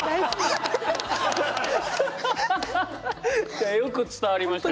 いやよく伝わりました